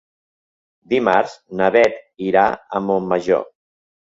Dimarts na Beth irà a Montmajor.